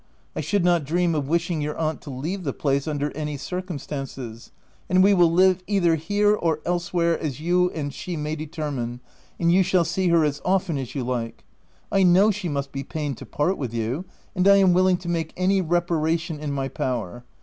I should not dream of wishing your aunt to leave the place under any circumstances ; and we will live either here or elsewhere as you and she may determine, and you shall see her as often as you like. I know she must be pained to part with you, and I am willing to make any reparation in my power.